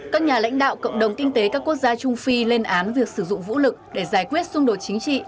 các nhà lãnh đạo cộng đồng kinh tế các quốc gia trung phi lên án việc sử dụng vũ lực để giải quyết xung đột chính trị